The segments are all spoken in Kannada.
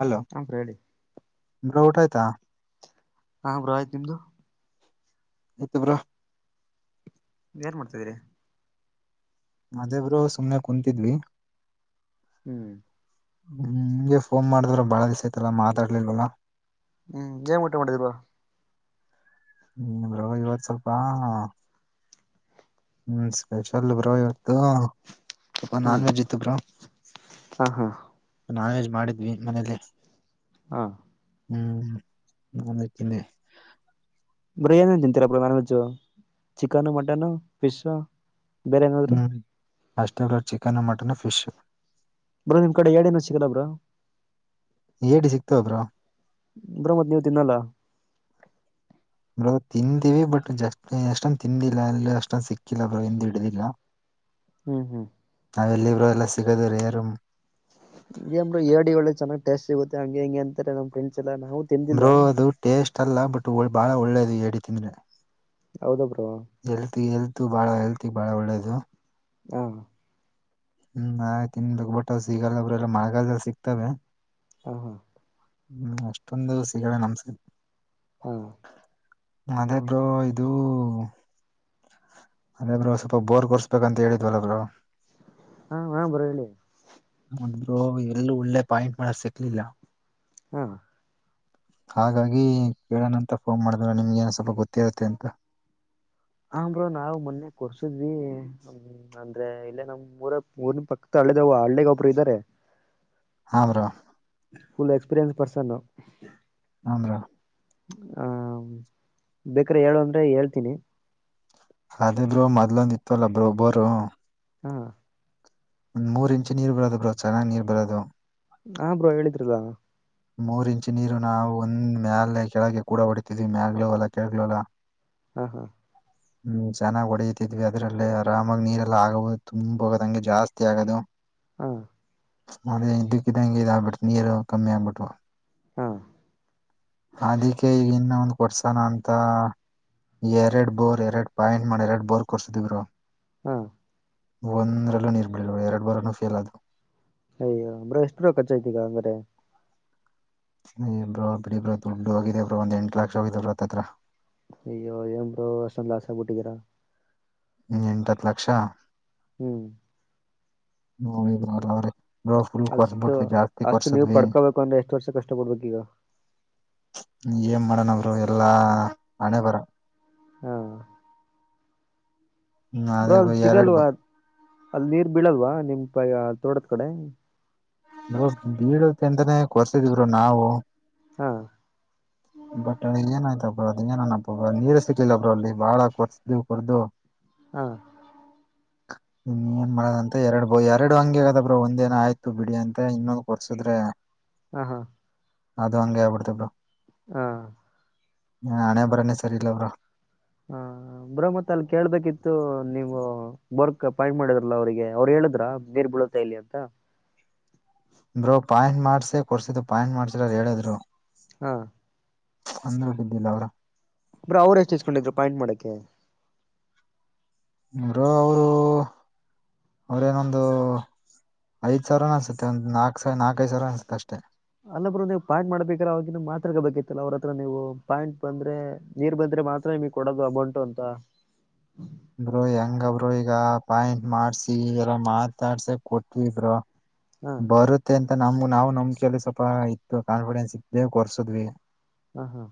ಹಲೋ ಆ ಕಡಿ [unintelligible] ಊಟ ಆಯ್ತಾ ಹಾ ಬ್ರೊ ಆಯ್ತುನಿಮ್ದು ಆಯ್ತು ಬ್ರೋ ನೀ ಏನ್ ಮಾಡ್ತಿದ್ದೀರಿ ಅದೇ ಬ್ರೋ ಸುಮ್ಮ್ನೆ ಕುೂಂತಿದ್ವಿ ಹ್ಮ್ ಹ್ಮ್ ಹಿಂಗೆ ಫೋನ್ ಮಾಡಿದ್ರ ಬಾಳ ದಿವ್ ಆಯತಲ್ಲ ಮಾತಾಡ್ಲಿಲ್ವಲ್ಲ ಹ್ಮ್ ಏನ್ ಊಟ ಮಾಡಿದಿರಾ ಹ್ಮ್ ಇವತ್ತು ಸ್ವಲ್ಪ ಹ್ಮ್ ಸ್ಪೆಷಲ್ ಬ್ರೋ ಇವ ಹ ಸ್ವಲ್ಪ ಹ್ಮ್ ನಾನ್ ವೆಜ್ ಇತ್ತು ಬ್ರ ಹಾ ಹಾ ನಾನ್ ವೆಜ್ಮಾಡಿದ್ವಿ ಮನೇಲಿ ಹಾ ಹ್ಮ್ ನಾನ್ ವೆಜ್ ತಿಂದೆ ಬ್ರೋ ಏನೇನು ತಿಂತೀರ non veg chicken mutton fish ಬೇರೆ ಏನಾದ್ರು ಹ್ಮ್ ಅಷ್ಟೇ bro chicken mutton fish bro ನಿಮ್ ಕಡೆ ಏಡೇನ ಸಿಗಲ ಬ್ರೋ ಏಡಿ ಸಿಕ್ತಾವೆ ಬ್ರೋ ಬ್ರೋ ಮತ್ ನೀವು ತಿನ್ನಲ್ಲ ಬ್ರೋ ತಿಂದಿವವಿ ಬಟ್ ಜಸ್ ಅಷ್ಟೊಂದು ತಿಂದಿಲ್ಲ ಅಲ್ಲಿ ಅಷ್ಟೊಂದ ಸಿಕ್ಕಿಲ್ಲ ಬ್ರಿಂದ ಹಿಡಿದಿಲ್ಲ [inaudible] ಹ್ಮ್ ಹ್ಮ್ ಇಲ್ಲಿ ಬ್ರೋ ಎಲ್ಲ ಸಿಗದ ರೇರ್ ಏನ್ ಬ್ರೋ ಏಡಿ ಒಳಗೆ ಒಳ್ಳೆ ಚೆನ್ನ್ ಟೇಸ್ಟ್ ಸಿಗುತ್ತೆ ಹಂಗೆ ಹೆಂಗೆ ಅಂತಾರೆ ನ್ ಫ್ರೆಂಡ್ಸ್ ಎಲ್ಲ ನಾವು ತಿಂದಿಲ್ಲ ಬ್ರೋ ಅದು ಟೇಸ್ಟ್ ಅಲ್ಲ ಬಟ್ ಬಾಳ ಒಳ್ಳೇದು ಎಡಿ ತಿಂದ್ರೆ ಹೌದಾ ಬ್ರೋ ಎಲ್ತ್ ಎಲ್ತ್ ಬಾಳ ಹೆಲ್ತ್ ಬಾಳ ಒಳ್ಳೇದು ಹಾ ಹ್ಮ್ ಆಯ್ತು ಇನ್ ತಿಂತಿವಿ ಬಟ್ ಸಿಗಲ್ಲ ಬ್ರೋ ಎಲ್ಲ ಮಳೆಗಾಲದಲ್ಲಿ ಸಿಗ್ತವೆ ಹ್ಮ ಹ್ಮ್ ಅಷ್ಟೊಂದು ಸಿಗಲ್ಲ ನಮ್ ಸೈಡ್ ಹಾ ಅದೇಬ್ರೋ ಇದು ಅಂದೆ ಬ್ರೋ ಸ್ವಲ್ಪ ಬೋರ್ ಕೋರ್ಸ್ ಬೇಕಂತ ಹೇಳಿದ್ವಲ್ಲ ಬ್ರೋ ಹಾ ಬ್ರೋ ಹೇಳಿ ಅಂದರು ಎಲ್ಲೂ ಒಳ್ಳೆ ಪಾಯಿಂಟ್ ಮಾಡಕ್ ಸಿಕ್ಲಿಲ್ಲ ಹಾ ಹಾಗಾಗಿ ಕೇಳೋಣಂತ ಫೋನ್ ಮಾಡಿದ್ರ ನಿಂಗೇನು ಸ್ವಲ್ಪ ಗೊತ್ತಿರುತ್ತೆ ಅಂತ ಅ್ರ ನಾವ್ ಮೊನ್ನೆ ಕೊರ್ಸಿ ತವಿ ಅಂದ್ರೆ ಇಲ್ಲೇ ನಮ್ಮ್ ಊರ ಊರ್ನ ಪಕ್ಕದ ಹಳ್ಳೇದ ಹಳ್ಳೇಗ ಒಬ್ರು ಇದ್ದಾರೆ ಹ್ ಬ್ರೋ ಫುಲ್ ಎಕ್ಸ್ಪೀರಿಯನ್ಸ್ ಪರ್ಸನ್ ಹಂಗೆ ಹ ಬೇಕ್ರೆ ಹೇಳು ಅಂದ್ರೆ ಹೇಳ್ತೀನಿ ಅದೇ ಬ್ರೋ ಮೊದ್ಲೊಂದ ಇತ್ತುಲ್ಲ ಬ್ರೊ ಒಬ್ಬರು ಹಾ ಒಂದ್ ಮೂರ್ ಇಂಚು ನೀರ್ ಬರೋದು ಬ್ರೋ ಚೆನ್ನಾಗ್ ನೀರ್ ಬರೋದು ಹಾ ಬ್ರೋ ಹೇಳಿದ್ರಿ ಅಲ್ಲ ಮೂರ್ ಇಂಚಿನೀರು ನಾವು ಒಂದ್ ಮ್ಯಾಲೆ ಕೆಳಗೆ ಕೂಡ ಹೊಡಿತಿದೆ ಮ್ಯಾಂಗಲೋಲ ಕೆಳಗ್ಲೋಲ ಹಾ ಹಾ ಹ್ಮ್ ಚೆನ್ನಾಗ್ ಹೊಡತಿದ್ವಿ ಅದ್ರಲ್ಲಿ ಆರಾಮಾಗಿ ನೀರೆಲ್ಲಾ ಆಗಬಹುದು ತುಂಬ ಹೋಗದಂಗೆ ಜಾಸ್ತಿ ಆಗದು ಹಾ ನೆ ಇದಕ್ಕಿದ್ದಂಗೆ ಇದಾಗ್ ಬಿಡ್ತು ನೀರು ಕಮ್ಮಿ ಆಗ್ಬಿಟ್ಟು ಹಾ ಅದಿಕ್ಕೆ ಈಗ ಇನ್ನ ಒಂದ್ ಕೊಡ್ಸಾನ ಅಂತ ಎರಡ್ ಬೋರ್ ಎರಡ್ ಪಾಯಿಂಟ್ ಮಾಡಿ ಎರಡ್ ಬೋರ್ ಕೊರ್ಸಿದಿವ್ರು ಬ್ರೋ ಹ್ಮ ಒಂದ್ರಲ್ಲೂ ನೀರ್ ಬಿಳ ಎರಡ್ ಬಾರನು ಫೇಲ್ ಆದರು ಅಯ್ಯ ಅಂದ್ರ ಎಷ್ಟುೂಡ ಖರ್ಚ ಐತಿ ಈಗ ಹಂಗಾದ್ರೆ ಬ್ರ ಬಿಡಿಬ್ರ ದುಡ್ಡುವಿದ ಬ್ರ ಒಂದ್ ಎಂಟು ಲಕ್ಷ ಆಗಿದವ್ರತ್ತ್ರ ಅಯ್ಯೋ ಏನ್ ಬರೋ ವರ್ಷ ಲಾಸ್ ಆಗ್ಬಿಟ್ಟಿದೀರಾ ಎಂಟತ್ ಲಕ್ಷ ಹ್ಮ್ ನಳ ಬಾರ ಹ್ರ ಬ್ರೋಫುಲ್ ಅಷ್ಟು ಕೊಸಬಟ್ವಿ ಜಾಸ್ತಿ ಅಷ್ಟು ನೀವು ಕೊರ್ಸಿದ್ವಿ ಪಡ್ಕೋಬೇಕು ಅಂದ್ರೆ ಎಷ್ಟು ವರ್ಷ ಕಷ್ಟ ಪಡ್ಬೇಕು ಈಗ ಏನ್ ಮಾಡಣ ಅವರು ಎಲ್ಲಾ ಹಣೆ ಬರ ಹಾ ಹ್ಮ್ ಬ್ರೋ ಅದೇ ಎರಡ್ ಬೋ ಸಿಗಲ್ವಾ ಅಲ್ಲಿ ನೀರ್ ಬೀಳಲ್ವಾ ನಿಮ್ ತೋಟದ ಕಡೆ ಬ್ರೋ ಬೀಳುತ್ತ ಅಂತಾನೇ ಕೊರ್ಸಿದಿದ್ರು ಬ್ರೋ ನಾವು ಹಾ ಬಟ್ ಏನಯ್ತ ಬ್ರ ಅದ ಏನನಪ್ಪ ನೀರ್ ಸಿಕ್ಲಿಲ್ಲ ಬ್ರ ಅಲ್ಲಿ ಬಾಳ ಕೊರ್ಸ್ದು ಕೊರ್ದುು ಹಾ ಹ ಇನ್ನು ಏನ್ ಮಾಡದಂತ ಎರಡು ಬ ಎರಡು ಹಂಗಗೆ ಅದಬ್ರರು ಒಂದೇನ ಆಯ್ತು ಬಿಡಿ ಅಂತ ಇನ್ನೊಂದು್ ಕೊರ್ಸುದ್ರೆ ಹಾ ಹಾ ಅದು ಹಂಗೆ ಆಬಿಡ್ತಬ್ ಬ್ರೋ ಹಾ ಹ ಹಣೆ ಬರನೆ ಸರಿ ಇಲ್ಲ ಬ್ರೋ ಹಾ ಬ್ರೋ ಮತ್ ಅಲ್ಲಿ ಕೇಳ್ಬೇಕಿತ್ತು ಥೂ ನೀವು ಬೋರ್ ಪಾಯಿಂಟ್ ಮಾಡಿದ್ರಲ್ಲ ಅವರಿಗೆ ಅವರು ಹೇಳಿದ್ರಾ ಮಾಡಿದ್ರಲ್ಲ ಅವ್ರು ಹೇಳುದ್ರ ನೀರ್ ಬೀಳತಾ ಇಲ್ಲಿ ಅಂತ ಬ್ರೋ ಪಾಯಿಂಟ್ ಮಾಡ್ಸೆ ಕೊಡ್ಸಿದ್ದು ಪಾಯಿಂಟ್ ಮಾಡ್ಸಿಲ್ಲರು ಹೇಳಿದ್ರು ಹಾ ಅಂದ್ರ ಬಿದ್ದಿಲ್ಲ ಬ್ರೋ ಬ್ರೋ ಅವ್ ಎಷ್ಟು ಎಚ್ಕೊಂಡಿದ್ರು ಪಾಯಿಂಟ್ ಮಾಡ ಮಾಡೋಕ್ಕೆ ಬ್ರೋ ಅವ್ರ ಇನ್ನೊಂದು ಐದ್ ಸಾವಿರ ಅನ್ಸುತ್ತೆ ಒಂದು ನಾಕ್ ಐದು ಸಾವಿರ ಅನಸುತ್ತೆ ಅಷ್ಟೇ ಅಲ್ಲ ಬ್ರೋ ನೀವು ಪಾಯಿಂಟ್ ಮಾಡ್ಬೇಕ್ರ ಅವವಾಗಿಂದ ಮಾತ್ರಗ ಬೇಕಿತ್ತಲ್ಲ ಅವ್ರ ಹತ್ರ ನೀವು ಪಾಯಿಂಟ್ ಬಂದ್ರೆ ನೀರ್ ಬಂದ್ರೆ ಮಾತ್ರಮಗ್ ಕೊಡೋದು ಬಂಟು ಅಂತ [unintelligible] ಬ್ರೋ ಹೆಂಗಬ್ರು ಈಗ ಪಾಯಿಂಟ್ ಮಾಡ್ಸಿಲ್ಲ ಮಾತಾಡ್ಸ ಕೊಟ್ವಿಬ್ರು ಹಾ ಬರುತ್ತೆ ಅಂತ ನಮಗು ನಾವು ನಮ್ ನಂಬಿಕೆಯಲ್ಲಿ ಸ್ವಲ್ಪ ಇತ್ತು ಕಾನ್ಫಿಡೆನ್ಸ್ ಇದ್ದೇ ಕೊರ್ಸದ್ವಿ ಹಾ ಹಾ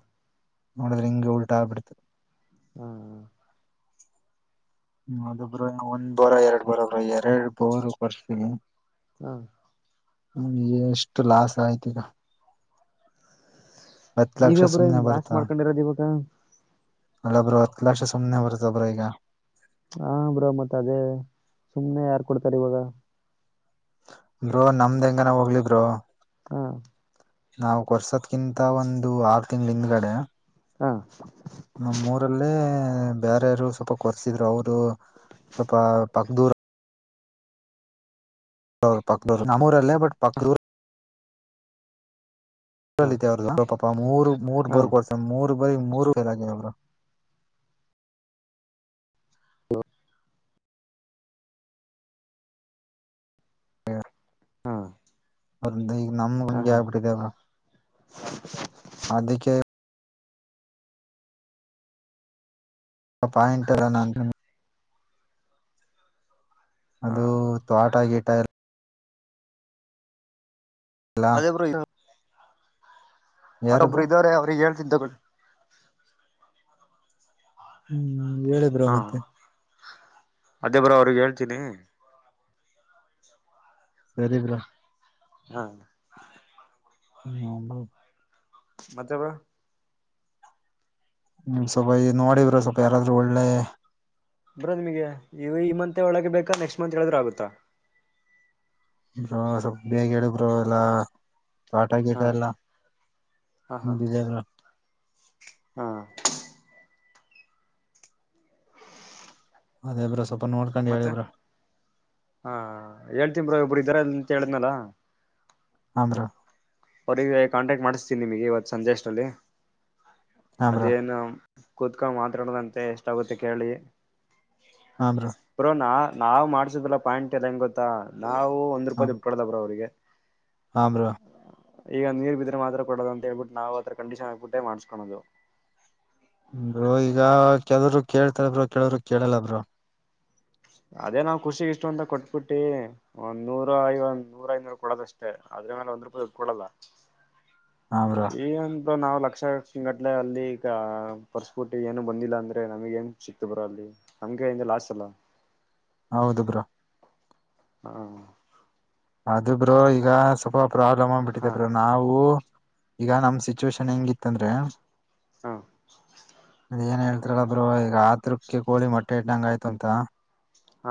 ನೋಡಿದ್ರೆ ಇಂಗೆ ಉಲ್ಟ್ಬಿಡ್ತು ಹ್ಮ್ ಅದೊಬ್ ಒಂದ್ ಬೋರ ಎರಡ್ ಬೋರ ಒಬ್ ಎರಡ್ ಬೋರ್ ಕೊರ್ಸಿದ್ರೆ ಹ್ಮ ಎಷ್ಟು ಲಾಸ್ ಆಯ್ತ ಈಗ ಆತು ನೀವೇ ಲಕ್ಷ ಬ್ರೋ ಸುಮ್ನೆ ಹಿಂಗ್ ಲಾಸ್ ಬರುತ್ತಾ ಮಾಡ್ಕೊಂಡಿರೋದು ಇವಾಗ ಅಲ್ಲ ಬ್ರೋ ಹತ್ತ್ ಸುಮ್ನೆ ಬರುತ್ತಾ ಬ್ರೋ ಈಗ ಹಾ ಬ್ರೋ ಮತ್ತೆ ಅದೇ ಸುಮ್ನೆ ಯಾರ್ ಕೊಡ್ತಾರೆ ಇವಾಗ ಬ್ರೋ ನಮ್ದ್ ಹೆಂಗನ ಹೋಗ್ಲಿ ಬ್ರೋ ಹಾ ನಾವವು ಕೊರ್ಸದ್ಕಿಂತ ಒಂದು ಆರು ತಿಂಗಳ ಹಿಂದ್ಗಡೆ ಹಾ ನಮ್ಮಊರಲ್ಲೇ ಬೇರಾರರು ಸ್ವಲ್ಪ ಕೊರ್ಸಿದ್ರು ಅವರು ಸ್ವಲ್ಪ ಪಕ್ ದೂರ್ ತಗ್ದೂರವರು ನಮ್ಮೂರಲ್ಲೇ ಬಟ್ ಪಕ್ರ್ ರ ಅವ್ರ ಪಾಪ ಮೂರು ಮೂರ್ ಹಾ ಬರ್ ಕೊರ್ಸ ಮೂ ಬರೀ ಮೂರು ವೇರ ಆಗ ಅವರು ಹ್ಮ್ ಹಾ ಈಗ ನಮ್ ಹಾ ಹಂಗೆ ಹಾ ಆಗ್ಬಿಟ್ಟಿದೆಲ್ಲ ಅದಕ್ಕೆ ಆ ಪಾಯಿಂಟ್ ಎಲ್ಲ ನ ಅಂದ ಹಾ ಅದು ತೋ ಗೀಟ ಎಲ್ಲ ಎಲ್ಲ ಅದೇ ಬ್ರೋ ಅಡೊಬ್ರು ಯಾರಬ್ರು ಇದ್ದಾವ್ರೆ ಅವ್ರಿಗೆ ಹೇಳ್ತನ್ ತಗೊಳ್ಳ ಹ್ಮ್ ಹೇಳಿ ಬ್ರೋ ಹಾ ಮತ್ತೆ ಅದೇ ಬ್ರೋ ಅವ್ರಿಗೆ ಹೇಳ್ತೀನಿ ಸರಿ ಬ್ರೋ ಹ ನೊಬ ಮತ್ತೆ ಬ್ರೋ ಹ್ಮ ಸ್ವಲ್ಪ ಈ ನೋಡಿ ಬ್ರೋ ಸ್ವಲ್ಪ ಯಾರಾದ್ರೂ ಒಳ್ಳೆ ಬ್ರೋ ನಿಮಗೆ ಈಗ ಈ ಮಂತ್ ಒಳಗೆ ಬೇಕಾ ನೆಕ್ಸ್ಟ್ ಮಂತ್ ಹೇಳದ್ರ ಆಗುತ್ತಾ ಬ್ರೋ ಸ್ವಲ್ಪ ಬೇಗ ಹೇಳಿ ಬ್ರೋ ಎಲ್ಲಾ ತೋಟ ಗೀಟ ಹಾ ಎಲ್ಲ ಹಾ ಹಾ ಮುದ್ದಿಸರಿಲ್ಲ ಹಾ [inaudible] ಅದೇ ಬ್ರೋ ಸ್ವಲ್ಪ ನೋಡ್ಕೊಂಡು ಹೇಳಿ ಮತ್ತೆ ಬ್ರೋ ಹಾ ಹೇಳ್ತೀನ್ ಬ್ರೋ ಒಬ್ರು ಇದಾರೆ ಅಂತ ಹೇಳಿದನಲ್ಲ ಹ ಬ್ರೋ ಅವರಿಗೆ ಕಾಂಟಾಕ್ಟ್ ಮಾಡಿಸ್ತೀನಿ ನಿಮಗೆ ಇವತ್ತು ಸಂಜೆ ಅಷ್ಟಲ್ಲಿ ಹಾ ಬ್ರೋ ಅದೇನು ಕುೂತ್ಕೊಂಡ ಮಾತಾಡುದಂತೆ ಎಷ್ಟಾಗುತ್ತೆ ಕೇಳಿ ಬ್ರೋ ನಾ ನಾವ್ ಮಾಡ್ಸುದಲ್ಲ ಪಾಯಿಂಟ್ ಎಲ್ಲ ಹೆಂಗ ಗೊತ್ತಾ ನಾವು ಒಂದ್ ರೂಪಾಯಿ ದುಡ್ಡುಕೊಡಲ್ಲ ಬ್ರೋ ಅವ್ರಿಗೆ ಹ ಬ್ರೋ ಈಗ ನೀರ್ ಬಿದ್ರೆ ಮಾತ್ರ ಕೊಡೋದು ಅಂತ ಹೇಳ್ಬಿಟ್ಟು ನಾವು ಹತ್ರ ಕಂಡೀಷನ್ ಆಗ್ಕ್ಬಿಟ್ಟೆ ಮಾಡಸ್ಕೊಳದು ಬ್ರೋ ಈಗ ಕೆಲವರು ಕೇಳ್ತಾರೆ ಬ್ರೋ ಕೇಳವ್ರು ಕೇಳಲ್ಲ ಬ್ರೋ ಅದೇ ನಾವ್ ಖುಷಿ ಇಷ್ಟು ಅಂತ ಕೊಟ್ಬಿಟ್ಟಿ ಒಂದ್ ನೂರ ಐ ಒಂದ್ ನೂರ ಐನೂರ ಕೊಡೋದಷ್ಟೇ ಆದ್ರ ಮೇಲೆ ಒಂದ್ ರೂಪಾಯಿ ಕೊಡಲ್ಲ ಹಾ ಬ್ರೋ ಈ ತೊ ನಾವು ಲಕ್ಷ ಸಿಂಗಟ್ಲೆ ಅಲ್ಲಿ ಪರ್ಸ್ಪುಟ್ಟಿ ಏನು ಬಂದಿಲ್ಲ ಅಂದ್ರೆ ನಮಗೆ ಏನ್ ಸಿಕ್ತು ಬ್ರೋ ಅಲ್ಲಿ ನಮ್ಗೆ ಇಂದು ಲಾಸಲ್ಲ ಹೌದು ಬ್ರೋ ಹ್ಮ ಅದು ಬ್ರೋ ಈಗ ಸ್ವಲ್ಪ ಪ್ರಾಬ್ಲಮ್ ಆಬಿಟ್ಟಿದೆ ಹಾ ಬ್ರೋ ನಾವು ಈಗ ನಮ್ ಸಿಚುವೇಶನ್ ಹೆಂಗಿತ್ತಂದ್ರೆ ಹ್ಮ್ ಏನ್ ಹೇಳ್ತಾರಲ್ಲಬ್ರೋ ಈಗ ಆತ್ಕ್ಕೆಿ ಕೋಳಿ ಮಟ್ಟೆ ಇ್ದಂಗ ಆಯ್ತುಂತ ಹ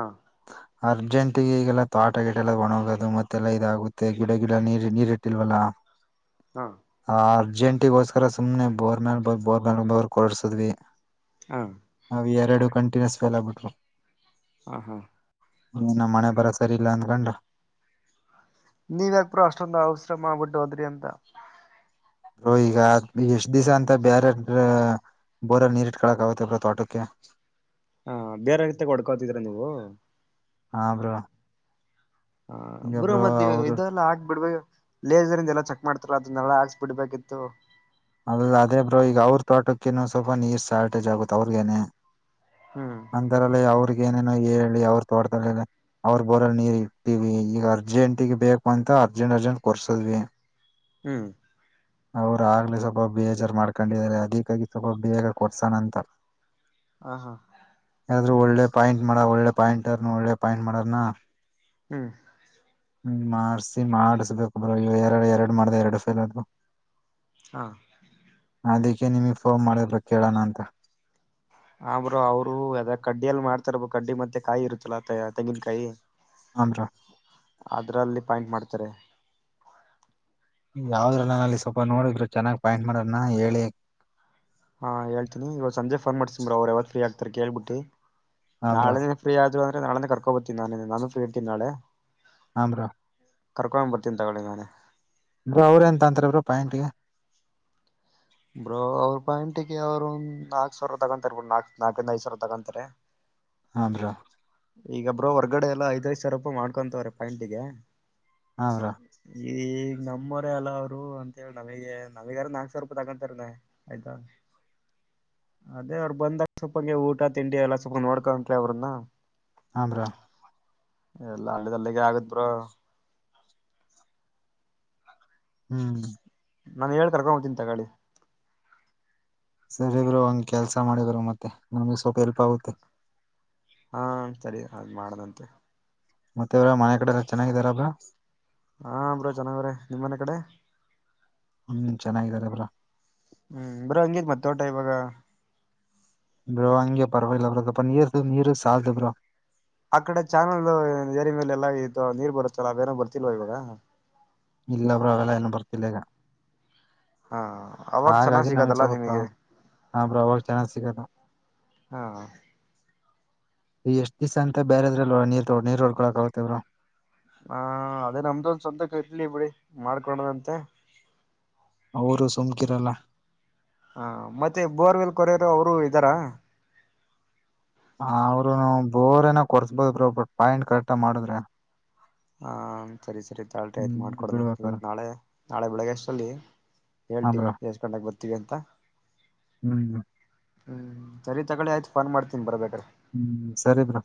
ಅರ್ಜೆಂಟಿಗೆ ಈಗೆಲ್ಲ ತೋಟ ಗಿಟೆಲ್ಲ ಒಣುಗವೆ ಅದು ಮತ್ತೆಲ್ಲ ಇದಾಗುತ್ತೆ ಗಿಡ ಗಿಡ ನೀರ್ ನೀರಿಟ್ಟಿಲ್ವಲ್ಲ ಹಾ ಆ ಅರ್ಜೆಂಟಿಗೋಸ್ಕರ ಸುಮ್ನೆ ಬೋರ್ ನ ಬ ಬೋರ್ ಮ ಕೊಡ್ಸಿದ್ವಿ ಹಾ ಎರಡು ಕಂಟಿನ್ಯೂಸ್ ಫೇಲ್ ಆಗ್ಬಿಟ್ಟು ಹ ಹಾ ಈ ನಮ್ ಹಣೆ ಬರ ಸರಿ ಇಲ್ಲ ಅನ್ಕೊಂಡು ನೀವ್ ಯಾಕ್ ಬ್ರೋ ಅಷ್ಟೊಂದು ಅಷ್ಟೊಂದು ಹೌಸ್ರ ಮಾಡ್ಬಿಟ್ಟು ಹೋದ್ರಿ ಅಂತ ಬ್ರೋ ಈಗ ಎಷ್ಟ್ ದಿಸ ಅಂತ ಬ್ಯಾರೆದು ಬೋರರ್ ನೀರಿಟ್ಕೊಳ್ಳಕ ಆಗುತ್ತ ಬ್ರೋ ತೋಟಕ್ಕೆ. ಹಾ ಬೇರೆ ರೀತ ಹೊಡ್ಕೋತಿದ್ರ ನೀವು. ಹಾ ಬ್ರೋ ಹ ಈಗ ಬರೋ ಬ್ರೋ ಮತ್ತ ಅವ್ರು ಇಲ್ಲಾ ಆಕ್ಬಡ್ಬೇಕೇ ಲೇಸರಿಂದ ಎಲ್ಲ ಚೆಕ್ ಮಾಡ್ತಾರ ಅದನ್ನ ನೆಲ ಅರ್ಸು ಬಿಡ್ಬೇಕಿತ್ತು ಅಲ್ಲ ಅದೇ ಬ್ರೋ ಈಗ ಅವ್ರ ತೋಟಕ್ಕಿನು ಸ್ವಲ್ಪ ನೀರ್ ಶಾರ್ಟೇಜ್ ಆಗುತ್ತತ್ ಅವ್ರಗೇನೆ. ಹ್ಮ್ ಅಂದರಲ್ಲಿೇ ಅವ್ರಿಗ್ ಏನೇನೋ ಹೇಳಿ ಅವರು ತೋಟದಲ್ಲಿನೆ ಅವರು ಬೊರಲ್ ನೀರ್ ಇಟ್ತಿವಿ ಈಗ ಅರ್ಜೆಂಟಗ ಬೇಕು ಅಂತ. ಅರ್ಜೆಂಟ್ ಅರ್ಜೆಂಟ್ ಕೊರ್ಸದ್ವಿ ಹ್ಮ್ ಅವರು ಆಗ್ಲಿ ಸ್ವಲ್ಪ ಬೇಜಾರ್ ಮಾಡ್ಕೊಂಡಿದಿದ್ದಾರೆ ಅದಕ್ಕಾಗಿ ಪಾಪ ಸ್ವಲ್ಪ ಬೇಗ ಕೊಡ್ಸಣಂತ ಹ ಹಾ ಆದ್ರು ಒಳ್ಳೆ ಪಾಯಿಂಟ್ ಮಾಡ ಒಳ್ಳೆ ಪಾಯಿಂಟ್ರ್ನ ಒಳ್ಳೆ ಪಾಯಿಂಟ್ ಮಾಡಾರನ. ಹ್ಮ್ ಹ್ಮ ಮಾಡಾರ್ಸಿ ಮಾಡಿಸಬೇಕ ಬ್ರೋ ಎರಡು ಎರಡು ಮಾಡ್ದ ಎರಡು ಫೇಲ್ ಅದು ಹಾ ಅದಕ್ಕೆ ನಿಮಗೆ ಫೋನ್ ಮಾಡ್ದೆ ಬ್ರೋ ಕೇಳೋಣ ಅಂತ ಹ ಬ್ರೋ ಅವರು ಅದ ಕಡ್ಡಿಯಲ್ಲಿ ಮಾಡ್ತಾರ ಕಡ್ಡಿ ಮತ್ತೆ ಕಾಯಿ ಇರುತ್ತಲ್ಲ ತೆಂಗಿನಕಾಯಿ. ಹಾ ಬ್ರೋ ಅದ್ರಲ್ಲಿ ಪಾಯಿಂಟ್ ಮಾಡ್ತಾರೆ ಯಾವದ್ರಲ್ಲ ನ ಅಲ್ಲಿ ಸ್ವಲ್ಪ ನೋಡಿದರು ಚೆನ್ನಾಗಿ ಪಾಯಿಂಟ್ ಮಾಡನ ಹೇಳಿ ಹಾ ಹೇಳ್ತನಿ ಇವಾಗ ಸಂಜೆ ಫೋನ್ ಮಾಡ್ಸೀನೀಬ್ರೋ ಅವರು ಯಾವಾಗ ಫ್ರೀ ಆಗ್ತಾರೆ ಕೇಳ್ಬಿಟ್ಟಿ. ಹಾ ಬ್ರೋ ನಾಳೆ ನೆ ಫ್ರೀ ಆದ್ರು ನಾಳೆ ಕರ್ಕೊಬತೀನಿ ನಾಳೆನೆ ನಾನು ಫ್ರೀ ಇಡ್ತೀಿ ನಾಳೆ ಹಾ ಬ್ರೋ ಕರ್ಕೊಂಡ್ ಬರ್ತೀಿ ತಗೊಳಿ ನಾನೆ ಬ ಅವ್ರ ಎನ್ ತಂತಾರೆ ಬ್ರೋ ಪ್ಯಾಂಟ್ ಗೆ. ಬ್ರೋ ಅವ್ರ ಪಾಯಿಂಟಿಗೆ ಅವರು ನಾಕ್ ಸಾವಿರ ತಗಂತಾರೆ ನಾಕ್ ನಾಕಐದು ಸಾವಿರ ತಗೊಂತಾರೆ. ಹಾ ಬ್ರೋ ಈಗ ಬ್ರೋ ಹೊರ್ಗಡೆ ಎಲ್ಲ ಐದ್ಐದು ಸಾವಿರ ರೂಪಾಯಿ ಮಾಡ್ಕೊಂತವ್ರ ಪಾಯಂಟಿಗೆ ಹಾ ಬ್ರೋ ಈ ನಮ್ಮೂರೇ ಅಲ್ಲ ಅವರು ಅಂತ ಹೇಳಿ ನಮಗೆ ನಮಗಾರ ನಾಲ್ಕ್ ಸಾವಿರ ರೂಪಾಯಿ ತಗೊಂತಾರ್ ತ ಆಯ್ತಾ [unintelligible] ಅದೇ ಅವ್ರು ಬಂದಾಗ ಸ್ವಲ್ಪಂಗೆ ಊಟ ತಿಂಡಿ ಎಲ್ಲ ಸ್ವಪ ನೊಡ್ಕಂಡ್ರೆ ಅವ್ರನ್ನ [unintelligible] ಎಲ್ಲಾ ಹಲ್ಲಿಗ್ ಹಲ್ಲಿಗೆ ಆಗತ್ತೆ ಬ್ರೋ ಹ್ಮ್ ನಾನು ಹೇಳ್ ಕರ್ಕೊಂಡ ಬರ್ತಿನ್ ತಗಳಿ ಸರಿ ಬ್ರೋ ಹಂಗ್ ಕೆಲ್ಸ ಮಾಡಿ ಬ ಮತ್ತೆ ನಮ್ಗೆ ಸ್ವಲ್ಪ ಎಲ್ಪ್ ಆಗುತ್ತೆ. ಹಾ ಸರಿ ಅಲ್ ಮಾಡದಂತೆ ಮತ್ತ ಇವ್ರ ಮನೆ ಕಡೆಲ್ಲ ಚೆನ್ನಾಗಿದಾರ ಬ್ರೋ ಹಾ ಬ್ರೋ ಚೆನ್ನಾಗ್ರೆ ನಿಮ್ಮ ಮನೆ ಕಡೆ ಹ್ಮ್ ಚೆನ್ನಾಗಿದ್ದರೆ ಬ್ರೋ ಹ್ಮ್ ಬ್ರೋ ಹಂಗಿತ್ ಮತ್ ತೋಟ ಇವಾಗ ಬ್ರೋ ಹಂಗೆ ಪರವಾಗಿಲ್ಲ ಬ್ರೋ ಸಪ್ಪ ನೀರ್ ನೀರು ಸಾಲ್ದ ಬ್ರೋ ಆ ಕಡೆ ಚಾನಲ್ ಏರಿ ಮೇಲೆ ಎಲ್ಲ ಇದು ನೀರ್ ಬರುತ್ತಲ್ಲ ಬೇರೆ ಬರ್ತಿಲ್ವ ಇವಾಗ. ಇಲ್ಲ ಬ್ರೋ ಅವೆಲ್ಲ ಎನ್ ಬರ್ಥಿಲ್ಲಿಗ ಹಾ ಅವಾಗ ಚೆನ್ನಾಗ್ ಹಾಗಾಗಿ ನಮಸ ಸಿಗದಲ್ಲ ನಿಮಗೆ [unintelligible] ಅವಾಗ ಚೆನ್ನಾಗ್ ಸಿಗದ ಹಾ ಎಷ್ಟ್ ದಿವ್ಸ ಅಂತ ಬೇರೆದ್ರಲ್ಲಿ ನೀ ನೀರ್ ಡ್ಕೊಳಕ್ ಆಾಗತೇವ್ರು ಹಾ ಅದೇ ನಮ್ದೊಂದ್ ಸ್ವಂತ ಇರ್ಲಿ ಬಿಡಿ ಮಾಡ್ಕೊಂಡದಂತೆ ಅವರು ಸುಮ್ಕಿರಲ್ಲ ಹಾ ಮತ್ತೆ ಬೋರ್ವೆಲ್ ಕೊರೆಯರು ಅವರು ಇದ್ದಾರ ಹ ಅವರ ಬೋರ್ ಏನ ಕೊರ್ಸ್ಬೋದ ಬ್ರೋ ಬಟ್ ಪಾಯಿಂಟ್ ಕರೆಕ್ಟ್ ಮಾಡದ್ರೆ ಹ ಸರಿ ಸರಿ ತಾಳರಿ ಆಯ್ತು ನೀರ್ ಮಾಡ್ಕೊತ್ತೆನ ಬಿಡ್ಬೇಕಲ್ಲ ಇವತ್ ನಾಳೆ ನಾಳೆ ಬೆಳಗ್ಗೆ ಅಷ್ಟರಲ್ಲಿ ಹಾ ಹೇಳ್ತೀವಿ ಬ್ರೋ ಎಸ್ಟ ಗಂಟೆಗ ಬರ್ತೀವಿ ಅಂತ ಹ್ಮ್ ಹ್ಮ ಹ್ಮ್ ಸರಿ ತಗಳಿ ಆಯ್ತು ಫೋನ್ ಮಾಡ್ತನಿ ಬರಬೇಕು ಹ್ಮ್ ಸರಿ ಬ್ರೋ